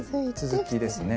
続きですね。